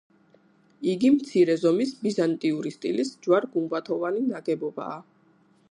იგი მცირე ზომის ბიზანტიური სტილის ჯვარ-გუმბათოვანი ნაგებობაა.